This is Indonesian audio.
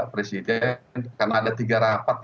presiden karena ada tiga rapat